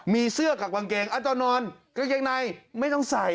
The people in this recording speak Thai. มีเสื้อกับกางเกงอาจจะนอนกางเกงในไม่ต้องใส่